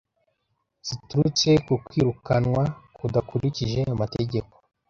ziturutse ku kwirukanwa kudakurikije amategeko